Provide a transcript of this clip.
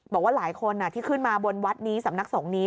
บอกว่าหลายคนที่ขึ้นมาบนวัดนี้สำนักสงฆ์นี้